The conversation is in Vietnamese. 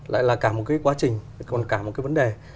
lại là cả một cái quá trình còn cả một cái vấn đề